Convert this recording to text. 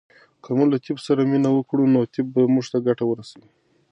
که موږ له طبعیت سره مینه وکړو نو طبعیت به موږ ته ګټه ورسوي.